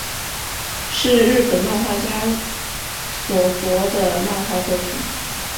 是日本漫画家所着的漫画作品。